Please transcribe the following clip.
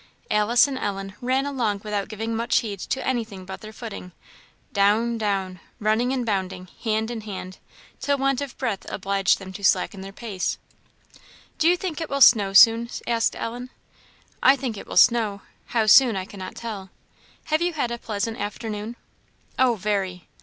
Alice and Ellen ran along without giving much heed to anything but their footing down, down running and bounding, hand in hand, till want of breath obliged them to slacken their pace. "Do you think it will snow soon?" asked Ellen. "I think it will snow how soon, I cannot tell. Have you had a pleasant afternoon?" "Oh, very!"